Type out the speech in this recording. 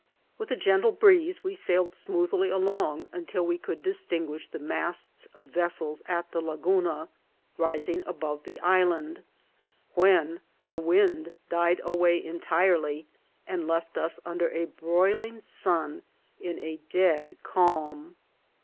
With a gentle breeze we sailed smoothly along until we could distinguish the masts of vessels at the Laguna rising above the island, when the wind died away entirely, and left us under a broiling sun in a dead calm.